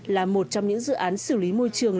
là một trong những dự án xử lý môi trường